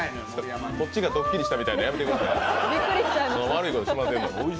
こっちがドッキリしたみたいなのやめてください。